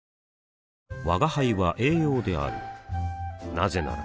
なぜなら